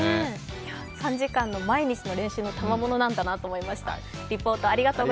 ３時間の毎日の練習のたまものなんだなと思いました。